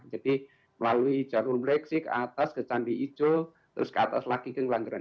jadi melalui jalur mleksi ke atas ke candi ijo terus ke atas lagi ke ngelanggaran